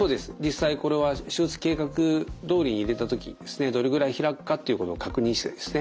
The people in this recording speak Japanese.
実際これは手術計画どおりに入れた時にですねどれぐらい開くかっていうことを確認してですね